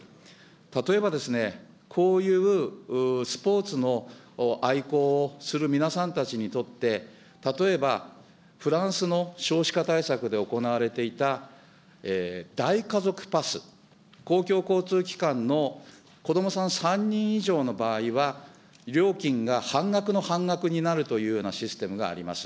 例えばですね、こういうスポーツの愛好をする皆さんたちにとって、例えば、フランスの少子化対策で行われていた、大家族パス、公共交通機関の子どもさん３人以上の場合は、料金が半額の半額になるというようなシステムがあります。